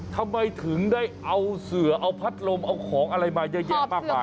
ทำไมถึงได้เอาเสือเอาพัดลมเอาของอะไรมาเยอะแยะมากมาย